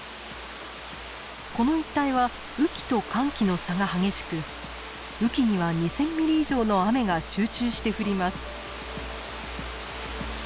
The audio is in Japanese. この一帯は雨季と乾季の差が激しく雨季には２，０００ｍｍ以上の雨が集中して降ります。